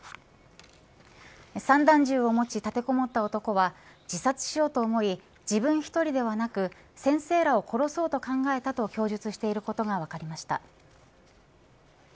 散弾銃を持ち立てこもった男は自殺しようと思い自分１人ではなく先生らを殺そうと考えたと供述していることが分かりました。